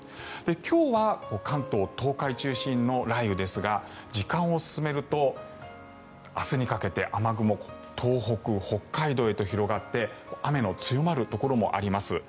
今日は関東、東海中心の雷雨ですが時間を進めると明日にかけて雨雲東北、北海道へと広がって雨の強まるところもあります。